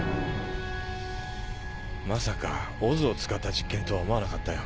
まさかＯＺを使った実験とは思わなかったよ。